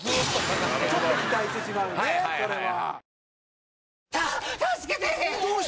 ちょっと期待してしまうのねそれは。